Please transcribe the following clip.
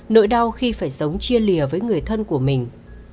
nỗi đau khi phải sống chia lìa với người thân của mình